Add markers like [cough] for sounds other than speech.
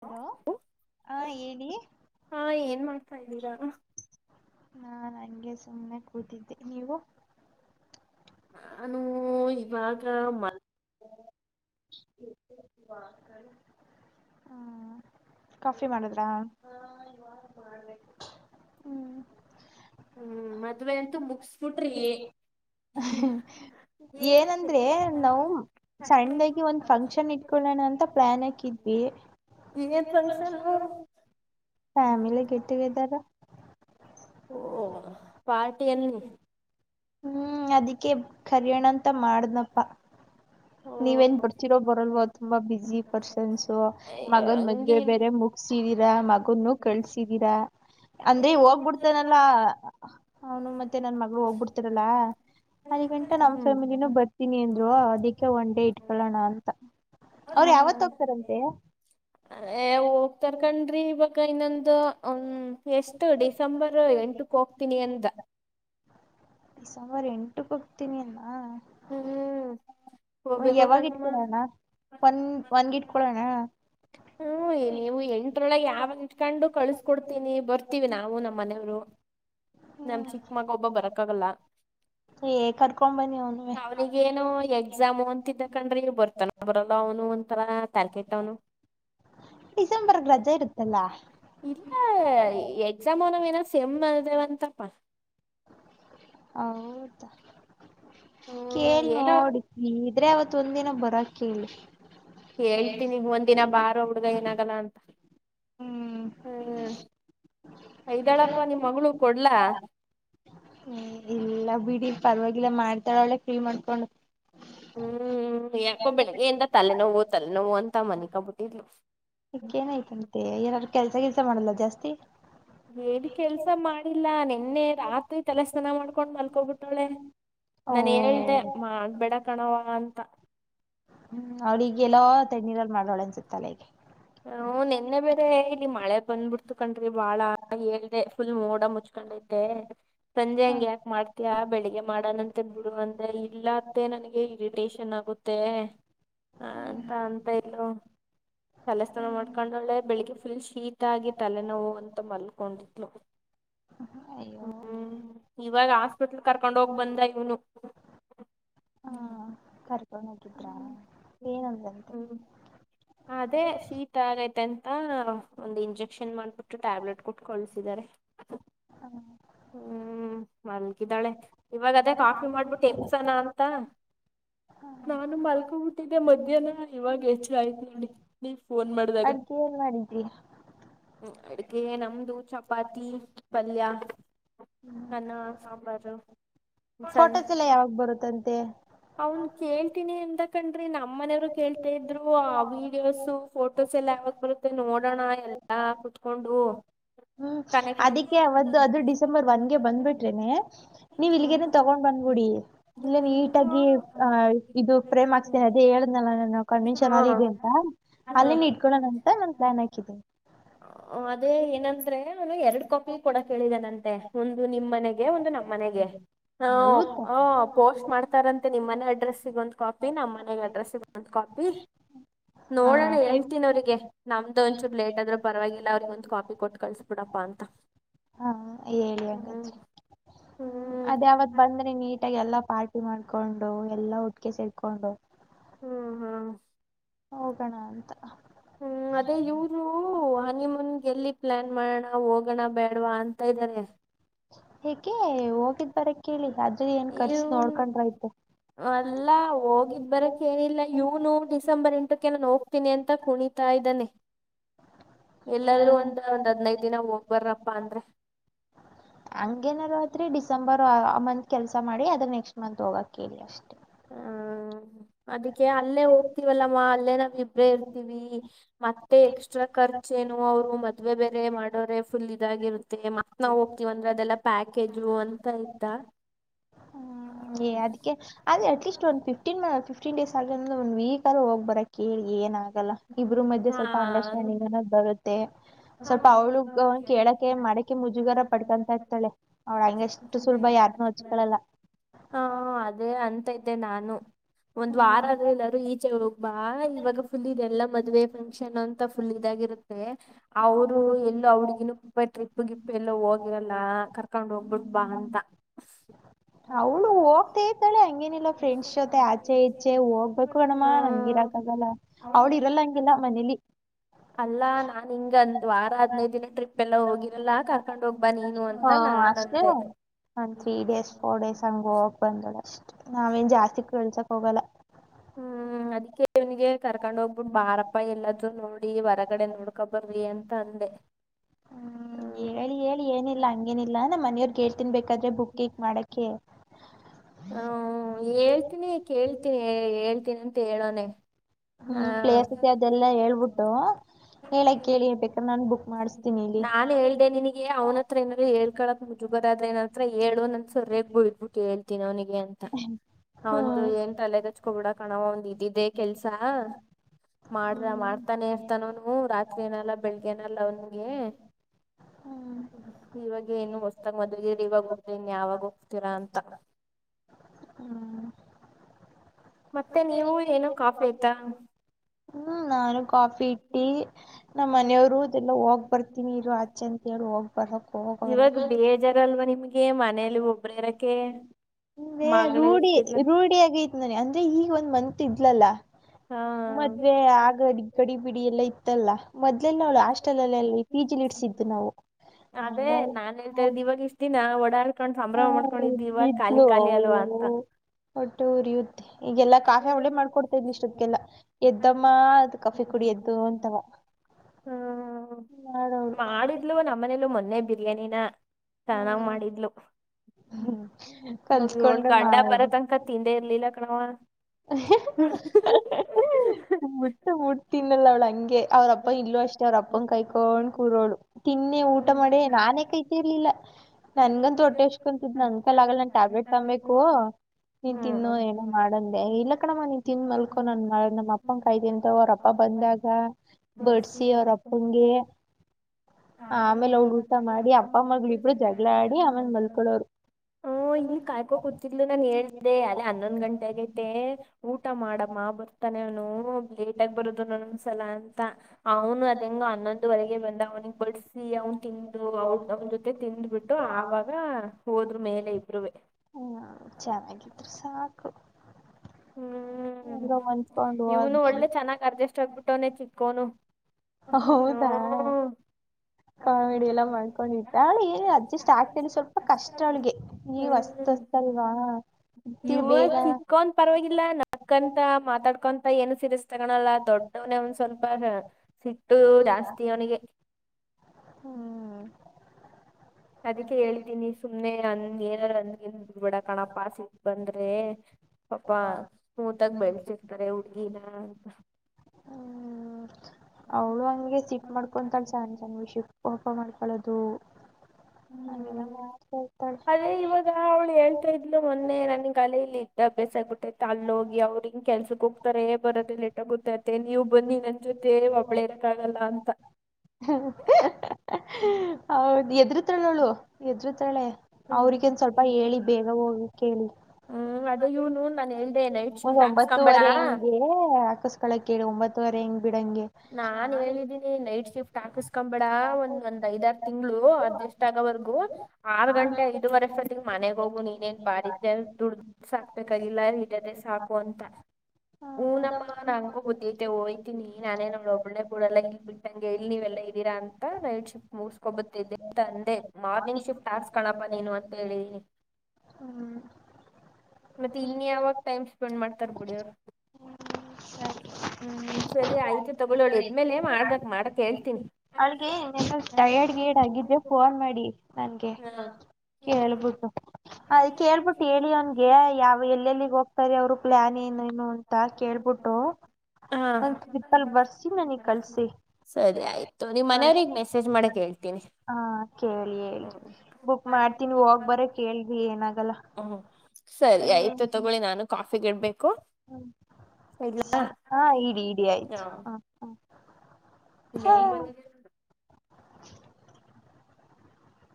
Hello ಹಾ ಹೇಳಿ. ಹಾ ಹಂಗೆ ಸುಮ್ನೆ ಕೂತಿದ್ದೆ ನೀವು. ನಾನು ಇವಾಗ ಮ [unintelligible] ಹ್ಮ ಕಾಫಿ ಮಾಡುದ್ರಾ ಹ್ಮ್. ಏನಂದ್ರೆ ನಾವು ಸಣ್ದಾಗಿ ಒಂದ್ ಫಂಕ್ಷನ್ ಇಟ್ಕೊಳ್ಳೋಣ ಅಂತ ಪ್ಲಾನ್ ಹಾಕಿದ್ವಿ. Family get ಓ ಪಾರ್ಟಿಯಲಿ. ಹ್ಮ್ ಅದಿಕ್ಕೆ ಕರ್ಯಣಂತ್ ಮಾಡುದ್ನಪ್ಪ. ನೀವೇನ್ ಬಿಡ್ತೀ ತಿರೋ ಬರಲ್ವೊ ತುಂಬಾ ಬಸಿ ಪರ್ಸನ್ಸ್ ಮಗುನ್ ಮದ್ವೆ ಬೇರೆ ಮುಗ್ಸಿದೀರ ಮಗುನ್ನು ಕಳ್ಸಿದೀರ ಅಂದ್ರೆ ಹೋಗ್ಬುಡ್ತಾನಲ್ಲಾ ಅವ್ನು ಮತ್ತೆ ನನ್ ಮಗ್ಳು ಹೋಗ್ಬುಡ್ತಾರಲ್ಲಾ ಅಲಿ ಗಂಟ ನಮ್ ಫ್ಯಾಮಿಲಿನೂ ಬರ್ತೀನಿ ಅಂದ್ರು ಅದಿಕೆ ಅಂಡೆ ಇಡ್ಕಳಣ ಅಂ ತ ಅವ್ರ್ ಯಾವತ್ ಹೋಗ್ತಾರಂತೆ. ಏ ಹೋಗ್ತಾರ್ ಕಣ್ರಿ ಇವಾಗ. ಇನ್ನಂದು ಹ್ಮ್. ಎಷ್ಟು ಡಿಸೆಂಬರ್ ಎಂಟುಕ್ ಹೋಗ್ತೀನಿ ಅಂದ. ಡಿಸೆಂಬರ್ ಎಂಟುಕ್ ಹೋಗ್ತೀನಿ ಅಂದ್ನಾ. ಹ್ಮ್ ಹೊಯ್ ಯಾವಾಗ್ ಇಟ್ಕೊಳೋಣ ಒಂದ್ ಒಂದಗಿಟ್ಕೊಳೋಣ. ಹ್ಮ್ ನೀವು ಎಂಟ್ರೊಳಗ್ ಯಾವಗ್ ಇಟ್ಕೊಂಡ್ರು ಕಳ್ಸಕೊಡ್ತೀನಿ ಬರ್ತೀವಿ ನಾವು ನಮ್ಮ್ ಮನೆಯವ್ರು ನಮ್ ಚಿಕ್ಕ ಮಗ ಒಬ್ಬ ಬರಕಾಗಲ್ಲ ಅವ್ನಿಗೇನೊ ಎಕ್ಸಾಮ್ ತ್ತಿದ್ದ ಕಂಡ್ರಿ ನೀ ಬರ್ತಾನ ಬರಲ್ಲ ಅವ್ನು ಒಂಥರ ತಲ್ ಕೆಟ್ಟವ್ನು. ಡಿಸೆಂಬರ್ಗ್ ರಜೆ ಇರುತ್ತಲ್ಲಾ. ಇಲ್ಲ ಎಕ್ಸಾಮ್ನವ್ ಅವ್ನವೇನೋ ಸೆಮ್ ಅನ್ನದೇವಂತಪ್ಪ. ಹೌದ. ಕೇಳ್ ನೋಡಿ ನೀರ್ ದ್ರೆ ಅವತ್ ಒಂದಿನ ಬರಕ್ ಕೇಳಿ. ಹೇಳ್ತೀನಿ ಒಂದಿನ ಬಾರೊ ಹುಡ್ಗ ಏನಾಗಲ್ಲ ಅಂತ. ಹ್ಮ್ ಐದಾಳಪ್ಪ ನಿಮ್ ಮಗ್ಳು ಕೊಡ್ಲ. ಬಿಡಿ ಪರವಾಗಿಲ್ಲ ಮಾಡ್ತಾಳ್ ಕ್ಲೀನಾಗಿ ತಾನೆ ಹ್ಮ್ ಯಾಕೊ ಬೆಳಿಗ್ಗೆ ಇಂದ ತಲೆನೋವು ತಲೆ ನೋವು ಅಂತ ಮನಿಕಬಿಟ್ಟಿದ್ಲು ಏಕ್ ಏನಾಯ್ತಂತೆ ಎರ ಕೆಲ್ಸ ಗಿಲ್ಸ ಮಾಡಲ್ವಾ ಜಾಸ್ತಿ. ಏನ್ ಕೆಲ್ಸ ಮಾಡಿಲ್ಲ ನಿನ್ನೆ ರಾತ್ರಿ ತಲೆಸ್ನಾನ ಮಾಡ್ಕೊಂಡ್ ಮಲ್ಕೋಬಿಟ್ಟೋಳೆ ನನ್ ಹೇಳ್ದೆ ಮಾಡಬೇಡ ಕಣವ್ವಾ ಅಂತ ಹ್ಮ್ ಅವ್ಳ ಈಗ್ಗೆಲ್ಲೋ ತಣ್ಣೀರಲ್ಲಿ ಮಾಡವ್ಳೆ ಅನ್ಸುತ್ತೆ. ತಲೆಗೆ ಹ್ಮ ನೆನ್ನೆ ಬೇರೆ ಇಲ್ಲಿ ಮಳೆ ಬಂದ್ಬಿಡ್ತ ಕಣ್ರಿ ಬಾಳ ಹೇಳ್ದ ಫುಲ್ ಮೋಡ ಮುಚ್ಕೊಂಡೈತೆ ಸಂಜೆ ಹಂಗ್ ಯಾಕ ಮಾಡ್ತಯ ಬೆಳಿಗ್ಗೆ ಮಾಡೋಣಂತ ಬಿಡು ಅಂತ ಇಲ್ಲತ್ತೆ ನನ್ಗೆ ಇರಿಟೇಷನ್ ಆಗುತ್ತೆ ಹ ಅಂತ ಅಂತ ಇಲ್ಲ ತಲೆಸ್ನಾನ ಮಾಡ್ಕೊಂಡಳ್ಳೆ ಬೆಳಿಗ್ಗೆ ಫುಲ್ ಶೀತ ಆಗಿ ತಲೆನೋವು ಅಂತ ಮಲ್ಕೊಂಡಿದ್ಲು ಹ್ಮ ಇವಾಗ ಹಾಸ್ಪಿಟ್ಲ್ ಕರ್ಕೊಂಡ ಹೋಗ ಬಂದ ಇವ್ನು. ಗಿದ್ರಾ ಏನಂದ್ರಂತೆ ಶೀತ ಆಗೈತಂತ ಒಂದ್ ಇಂಜೆಕ್ಷನ್ ಮಾಡ್ಬಿಟ್ಟು ಟ್ಯಾಬ್ಲೆಟ್ ಕೊಕಳ್ಸಿದ್ದಾರೆ ಹ್ಮ ಮಲ್ಗಿದಾಳೆ ಇವಾಗದೇ ಕಾಫಿ ಮಾಡಬಿಟ್ಟ ಎಪ್ಸನ ಅಂತ ನಾನು ಮಾಲ್ಕೋ ಬುಟ್ಟಿದ್ದೆ ಮಧ್ಯಾಹ್ನ ಇವಾಗ ಎಚ್ಚರ ಆಯ್ತು ನೋಡಿ ನೀ ಫೋನ್ ಮಾಡಿದಾಗ ಅಡ್ಗೆ ನಮ್ದು ಚಪಾತಿ ಪಲ್ಯ ಅನ್ನ ಸಾಂಬಾರ್ ಅವನು ಕೇಳ್ತೀನಿ ತೀನಿ ಅಂದ ಕಣ್ರೀ ನಮ್ಮನೆಯವ್ರು ಕೇಳ್ತಾ ಇದ್ರು ಆ ವೀಡಿಯೋಸ್ ಫೋಟೋಸ್ ಎಲ್ಲ ಯಾವಾಗ ಬರುತ್ತೆ ನೋಡೋಣ ಎಲ್ಲಾ ಕುತ್ಕೊಂಡು ಇದು ಪ್ರೇಮ್ಗ್ಕ್ತೇನೆ ಅದೇ ಹೇಳ್ನಲ್ಲ ನಾನು ಕನ್ವಿನ್ಷನ್ ಅಲ್ಲಿ ಇದೆ ಅಂತ ಅದೇ ಏನಂದ್ರೆ ಅವ ಎರಡು ಕಾಪಿ ಕೂಡ ಕೇಳಿದಾನಂತೆ ಒಂದು ನಿಮ್ಮ್ ಮನೆಗೆ ಒಂದು ನಮ್ಮನೆಗೆ ಪೋಸ್ಟ್ ಮಾಡ್ತಾರಂತೆ ನಿಮ್ಮನೆ ಅಡ್ರೆಸ್ ಸಿಗ ನಮ್ಮ ಮನೆಗೆ ಅಡ್ರೆಸ್ಸಿಗೆ ಬಂತ ಕಾಪಿ ನೋಡೋಣ ಹೇಳ್ತೀನ ಅವ್ರಿಗೆ ನಮ್ದು ಒಂದಚೂರು ಲೇಟ್ ಆದ್ರೂ ಪರವಾಗಿಲ್ಲ ಅವ್ರಿಗೆ ಒಂದ್ ಕಾಪಿ ಕೊಟ್ಟ ಕಳಸಬಿಡಪ ಅಂತ ಕೊಂಡು ಎಲ್ಲಾ ಕೆಸರ್ ಕೊಂಡು ಹ್ಮ್ ಹ್ಮ್ ಹೋಗೋಣ ಅಂತ ಹ್ಮ್ ಅದೇ ಇವರು ಹನಿಮನ್ಗೆ ಎಲ್ಲಿ ಪ್ಲಾನ್ ಮಾಡೋಣ ಕೇಳ್ಬ ಬೇಡವಾ ಅಂತ ಇದ್ದೀನಿ [inaudible] ಹೇಗೆ ಹೋಗಿದ್ದ್ ಬರ ಕೇಳಿ ಅದ ಇವನು ಅಲ್ಲ ಹೋಗಿದ್ ಬರಕ್ ಏನಿಲ್ಲ ಇವನು ಡಿಸೆಂಬರ್ ಎಂಟಕ್ಕೆ ನಾನು ಹೋಗ್ತೀನಿ ಅಂತ ಕುಣಿತಾ ಇದ್ದಾನೆ ಎಲ್ಲಾದ್ರೂ ಒಂದ್ ಒಂದ್ ಹದ್ನೈದ್ ದಿನ ಹೋಗ್ಬಾರಪ್ಪಾ ಅಂದ್ರೆ. ಡಿಸೆಂಬರ್ ಆ ಮಂತ್ ಕೆಲ್ಸ ಮಾಡಿ ಅದರ್ ನೆಕ್ಸ್ಟ್ ಮಂತ್ ಹೋಗಕ್ಕೇಳಿ ಅಷ್ಟೇ. ಹ್ಮ ಅದಕ್ಕೆ ಅಲ್ಲೇ ಹೋಗ್ತಿವಲ್ಲಮ್ಮ ಅಲ್ಲೇ ನಮ್ ಇಬ್ರೇ ಇರ್ ತಿವಿ. ಮತ್ತೆ ಎಕ್ಸ್ಟ್ರಾ ಖರ್ಚೆನು ಅವ್ರು ಮದ್ವೆ ಬೇರೆ ಮಾಡೋರೆ ಫುಲ್ ಇದಾಗಿರುತ್ತೆ ಮಾ ನಾವ್ ಹೋಗ್ತಿವ್ ಅಂದ್ರೆ ಅದೆಲ್ಲಾ ಪ್ಯಾಕೇಜು ಅಂತ ಇದ್ದ. ಏ ಅದ್ಕೆ ಅಟ್ ಲೀಸ್ಟ್ ಅದೆ ಒನ್ ಫಿಫ್ಟೀನ್ ಫಿಫ್ ಫಿಫ್ಟಿನ್ ಡೇಸ್ ಆಗಿಲ್ ಅಂದ್ರೆ ಒಂದ್ ಆದ್ರು ಹೋಗ್ ಬರಕ್ಕೇಳಿ ಏನ್ ಗಲ್ಲ ಇಬ್ರು ಮಧ್ಯೆ ಸ್ವಲ್ಪ ಅಂಡರ್ಸ್ಟ್ಯಾಂಡಿಂಗ್ ಅನ ಬರುತ್ತೆ. ಸ್ವಲ್ಪ ಅವ್ಳು ಕೇಳಕ್ಕೆ ಮಾಡಕೆ ಮುಜುಗರ ಪಡ್ಕಂತ ಇರ್ತಾಳೆ ಅವ್ಳ ಹಂಗೆಷ್ಟು ಸುಲ್ಭ ಯಾರ್ನ್ನು ಹಚ್ಕಳಲ್ಲ. ಹಾ ಅದೇ ಅಂತ ಇದ್ದೆ ನಾನು. ಒಂದ್ ವಾರ ಆದ್ರು ಎಲ್ಲಾರು ಈಚೆ ಹೋಗ್ಬಾ ಇವಾಗ ಫುಲ್ ಇದೆಲ್ಲ ಮದ್ವೆ ಫಂಕ್ಷನ್ ಅಂತ ಫುಲ್ ಇದಾಗಿರುತ್ತೆ. ಅವ್ರು ಎಲ್ಲೋ ಅವುಡ್ಗಿನು ಟ್ರಿಪ್ಪು ಗಿಪ್ಪು ಎಲ್ಲೋ ಹೋಗಿರಲ್ಲ ಕರ್ಕೊಂಡ್ ಹೋಗ್ಬಿಟ್ ಬಾ ಅಂತ. ಹ್ಮ್ ಅಲ್ಲ ನಾ ಹ ಅಷ್ಟೇ ಒಂದ್ ತ್ರೀ ಡೇಸ್ ಫೋರ್ ಡೇಸ್ ಹಂಗ್ ಹೋಗ್ ಬಂದ್ಬುಡೊ. ನಾವೇನ್ ಜಾಸ್ತಿ ಕಳ್ಸಕ್ ಹೋಗಲ್ಲ. ಹ್ಮ್ ಅದಿಕ್ಕೆ ಅವ್ನಿಗೆ ಕರ್ಕೊಂಡ್ ಹೋಗ್ಬುಟ್ ಬಾರಪ್ಪ ಎಲ್ಲಾದ್ರು ನೋಡಿ ಹೊರಗಡೆ ನೋಡ್ ಹ್ಮ್ ಹೇಳಿ ಹೇಳಿ ಏನಿಲ್ಲ ಹಂಗೇನಿಲ್ಲ ನಮ್ ಮನೆಯವ್ರ್ ಕೇಳ್ತಿನ್ಬೇಕಾದ್ರೆ ಬುಕಿಂಗ್ ಮಾಡಕೆ. ಹ್ಮ ಹೇಳ್ತೀನಿ ಕೇಳ್ತೀನ್ ಹೇಳ್ತೀನಿ ಅಂತ ಹೇಳೋನೆ ಹಾ. ನಾನ್ ಹೇಳ್ದೆ ನಿನ್ಗೆ ಅವ್ನತ್ರ ಏನಾದ್ರು ಹೇಳ್ಕಳಕ್ ಮುಜುಗರಾದ್ರೆ ನನ್ ಹತ್ರ ಹೇಳು ನಾನ್ ಸರ್ಯಾಗ್ ಬೈದ್ಬುಟ್ ಹೇಳ್ ಅವ್ನಿಗೆ ಅಂತ ಅವ್ನ್ದು ಏನ್ ತಲೆಗಚ್ಕೊಬೇಡ ಕಣವ ಅವ್ನ್ದ್ ಇದಿದ್ದೇ ಕೆಲ್ಸ ಮಾಡದ ಮಾಡ್ತಾನೆ ಇರ್ತಾನೋನು ರಾತ್ರಿ ಬೆಳ್ಗೆನಲ್ ಅವ್ನ್ಗೆ ಇವಾಗೆನು ಹೊಸ್ದಾಗ್ ಮದ್ವೆಯಾಗಿರಿ ಇವಾಗ್ ಹೋಗ್ದೆ ಇನ್ ಯಾವಾಗ್ ಹೋಗ್ತೀರಾ ಅಂತ. ಹ್ಮ್ ಹ್ಮ ನಾನು ಕಾಫಿ ಟಿ. ಮನೆಯವ್ರು ದೆಲೋ ಹೋಗ್ ಬರ್ತಿನಿರು ಆಚೆ ಅಂತ ಹೇಳಿ ಹೋಗ್ ಬರ್ಕ್ ಹೋಗೊರೆ ನೆ ರೂಢಿ ರೂಢಿ ಆಗ್ ಅಂದ್ರೆ ಈಗ್ ಒಂದ್ ಮಂತ್ ಇದ್ಲಲ್ಲಾ. ಮದ್ವೆ ಆಗದ್ ಗಡಿ ಬಿಡಿ ಎಲ್ಲಾ ಇ ತೆಲ್ಲ. ಮದ್ ಮಾಮ್ ಹಾಸ್ಟೆಲ್ ಅಲ್ಲಿ ಪಿ ಜಿ ನಡಿಸಿದ್ದು ನಾವು [unintelligible] ಈಗೆಲ್ಲಾ ಕಾಫಿ ಅವಳೇ ಮಾಡ್ಕೊಡ್ತಾ ಇಷ್ಟೊದ್ಗೆಲ್ಲಾ ಎದ್ದಮ್ಮ ಅದ್ ಕಾಫಿ ಕುಡಿ ಎದ್ದು ಅಂತವ ಹ್ಮ್ ಮಾಡಿದ್ಲು ನಮ್ಮನೇಲೂ ಮೊನ್ನೆ ಬಿರಿಯಾನಿನ ಚೆನ್ನಾಗ್ ಮಾಡಿದ್ಲು ಹ್ಮ ಗಂಡ ಬರೋ ತನಕ ತಿಂದೆ ಇರರ್ಲಿಲ್ಲ ಕಣವ ಮುಟ್ಟಿ ಮುಟ್ಟಿತೀನಲ್ಲ ಅವಳ ಅಂಗ ಅವ್ರಪ್ಪ ಇಲ್ಲೂ ಅಷ್ಟೇ ಅವ್ರ ಅಪ್ಪನ್ ಕೈಕೊಂಡ್ ಕೂರೋಳು ತಿನ್ನೆ ಊಟ ಮಾಡೇ ನಾನೇ ಕೈತಿರ್ಲಿಲ್ಲ ನನ್ಗಂತ ಹೊಟ್ಟೆ ಎಷ್ಟಕೊಂತಿದ್ದ್ ನನ್ ಕಲ್ ಆಗಲ್ಲ ನಾನ್ ಟ್ಯಾಬ್ಲೆಟ್ ತರಬೇಕು ನೀನ್ ತಿನ್ನು ಏನೋ ಮಾಡಂದ ಇಲ್ಲ ಕಣಮ್ಮ ನೀನ್ ತಿಂದ್ ಮಲ್ಕೊ ನನ್ ನಮ್ಮ ಅಪ್ಪನ್ ಕಾಯ್ಅವರಪ್ಪ ಬಂದಾಗ ಬಡ್ಸಿ ಅವ್ರಪ್ಪಗೆ ಆಮೇಲೆ ಅವ್ಳ ಊಟ ಮಾಡಿ ಅಪ್ಪ ಮಗಳು ಇಬ ಹ ಇಲ್ಲಿ ಕಾಯಕೋ ಕೂತಿದ್ಲು ನಾನನ್ ಹೇಳ್ದೆ ಅ ಹನ್ನೊಂದು ಗಂಟೆ ಮತ್ತೆ ಊಟ ಮಾಡಮ್ಮ ಬರ್ತಾನೆ ಅವನು ಲೇಟ್ ಆಗ ಬರುದು ನೊಂದ್ಸಲ ಅಂತ ಅವನು ಅದಂಗ ಹನ್ನೊಂದವರೆಗೆ ಬಂದ ಅವ್ನಿಗೆ ಬಡ್ಸಿ ಅವನ್ ತಿಂದು ಅವಳ ಅವನ ಜೊತೆ ಮೆ ತಿಂದ್ಬಿಟ್ಟು ಆವಾಗ ಹೋದ್ರ್ ಮೇಲೆ ಇಬ್ರ್ ನು [inaudible] ಹ್ಮ್ ಇವನು ಒಳ್ಳೆ ಚೆನ್ನಾಗ್ ಅಡ್ಜಸ್ಟ್ ಆಗ್ಬಿಟ್ಟವನೆ ಚಿಕೋ ಹ್ಮ ಕಾಮಿಡಿ ಎಲ್ಲ ಮಾಡ್ಕೊಂಡ್ದಳೆ ಏ ಅಡ್ಜೆಸ್ಟ್ ಆಗ್ತಾಲೆ ಸ್ವಲ್ಪ ಕಷ್ಟ ಅವಳ್ಗೆ ನೀವ್ ಹೊಸ್ತ್ಸ್ತಲ್ವಾ ಇತ್ತೀರ ಬೇಗ ಹೋಗಿಲ್ಲ ಏಕಂತ ಮಾತಾಡ್ಕೊಂತಾರೆ ಎನಿಪಿರಸ್ತಿ ತಗೋಲ್ಲಾ ದೊಡ್ಡವನನೆ ಒಂದ್ ಸ್ವಲ್ಪ ಹ ಸಿಟ್ಟು ಜಾಸ್ತಿ ಅವನಿಗೆ ಹ್ಮ್ ಅದಕ್ಕೆ ಹೇಳಿದೀನಿ ಸುಮ್ನೆ ಅಂದ ಏನಾರ ಅಂದಗನ್ ಬಿಡ್ಬಿಡ ಕಣಪ್ಪ ಸಿಟ್ ಬಂದ್ರೆ ಪಾಪಾ ಸ್ಮೂತ್ ಆಗಿ ಬೆಳಸಿರ್ತಾರೆ ಹುಡ್ಗಿನ ಅಂತ ಹ್ಮ್ ಅವಹಂಗೇ ಸಿಟ್ ಮಾಡ್ಕೊಂತಲೆ ಸಣ್ಣ ಸಣ್ಣ ನ್ ವಿಷ್ಯಕ್ ಕೋಪ ಮಾಡ್ಕೊಳ್ಳೋದು ಹು ಹಂಗೆಲ್ಲಾ ಮಾಡ್ತಿರ್ತಾಳೆ ಮ ಇದ್ಲು ಮೊನ್ನೇ ಅಲ ಇಲ್ಲಿ ಇದ್ದ ಅಭ್ಯಾಸ ಆಗ್ಬಿಟ್ಟೈತೆ ಅಲ್ಲಿ ಹೋಗಿ ಅವ್ರಿಂಗ ಕೆಲ್ಸಕ್ ಹೋಗ್ತಾರೆ ಬರೋದ ಲೇಟ್ ಆಗುತ್ತೆ ಅತ್ತೆ ನೀವು ಬನ್ನಿ ನನ್ ಜೊತೆ ಒಬ್ಳ ಇರಕ್ ಆಗಲ್ಲ ಅಂತ ಹ್ಮ ಹ್ಮ್ [unintelligible] ಹೌದ್ ಎದ್ರುತಾಳ್ ಅವ್ಳು. ಎದ್ರು ತಾಳೆ ಅವ್ರಗೇನ್ ಸ್ವಲ್ಪ ಹೇಳಿ ಬೇಗ ಹೋಗಿ ಕೇಳಿ. ಏ ಇವ್ನು ನಾನ್ ಹೇಳ್ ಒಂದ್ ಒಂಬತ್ತುವರೆ ಹಂಗೆ ಅಕುಸ್ ಕೊಳಕ್ಕೇಳು ಒಂಬತ್ತುವರೆ ಹಂಗೆ. ಬಿಡಂಗೆ. ಟಾ ಕುಸ್ ಕಂ ಬೇಡ ಒಂದ್ ಒಂದ್ ಐದಾರು ತಿಂಗ್ಳು. ಡು ಅಡ್ಜಸ್ಟ್ ಆಗೋವರ್ಗು ಆರ್ ಗಂಟೆ ಐದುವರೆಷ್ಟರಲ್ ಮನೆಗ್ ಹೋಗು ನೀನೇನ್ ಬಾರಿ ದುಡ್ದ್ ಸ ಬೇಕಾಗಿಲ್ಲ ಇರೋದೆ ಸಾಕು ಅಂತ್ ಊನಪ್ಪ ನಂಗು ಬುದ್ಧಿ ಐತೆ ಹೋಯ್ತೀನಿ. ನಾನೇ ನಮ್ಳ ಒಬ್ಳುನೆ ಬಿಡಲ್ಲಾ ಇಲ್ ಬಿಟ್ಟಂಗೆ ಇಲ್ ನೀವೆಲ್ಲ ಇದೀರಾ ಅಂತ ನೈಟ್ ಶಿಫ್ಟ್ ಮುಗುಸ್ಕೊಬತಿದ್ದೆ ತಂದೆ ಮಾರ್ನಿಂಗ್ ಶಿಫ್ಟ್ ಹಾಸ್ಕಣಪ್ಪಾ ನೀನು ಅಂತ ಹೇಳಿದಿನಿ. ಮತ್ತೆ ಇನ್ ಯಾವಾಗ್ ಟೈಮ್ ಸ್ಪೆಂಡ್ ಮಾಡ್ತಾರ ಬಿಡಿ ಅವ್ರು ಹ್ಮ ಸರಿ ಆಯ್ತು ತಗೊಳಿ ಅವ್ಳ್ ಎದ್ಮೇಲೆ ಮಾಡ್ದಗ್ ಮಾಡಕ್ ಹೇಳ್ತೀನ್. ಅಳ್ಗೆ ಇನ್ನ ಟಯರ್ಡ್ ಗಿಯಡ್ ಆಗಿದ್ರೆ ಫೋನ್ ಮಾಡಿ ನನ್ಗೆ ಕೇಳ್ಬುಟ್ಟು ಅದ್ ಕೇಳ್ಬುಟ್ಟು ಹೇಳಿ ಅವ್ನ್ ಏ ಯಾವ್ ಎಲ್ಲೆಲ್ಲಿಗೆ ಹೋಗ್ತಾರೆ ಅವ್ರು ಪ್ಲಾನ್ ಏನು ಏನು ಅಂತ ಕೇಳ್ಬುಟ್ಟು. ನ ಟ್ರಿಪಲ್ ಬರ್ಸಿ ನನಿಗ್ ಕಳ್ಸಿ ಹಾ ಕೇಳಿ ಹೇಳಿ ಬುಕ್ ಮಾಡ್ತೀನಿ ಹೋಗ್ಬರಕ್ ಹೇಳ್ರಿ ಏನಾಗಲ್ಲ. ಸರಿ ಆಯ್ತು ತಗೊಳ್ಳಿ ನಾನು ಕೊ ಕಾಫಿಗ್ ಇಡ್ಬೇಕು. ಹ್ಮ ಹಾ ಇಡಿ ಇಡಿ ಆಯ್ತು ಹ. ಹೆಂಗ್ ಬಂದಿದೆ. [unintelligible]